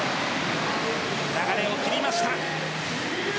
流れを切りました。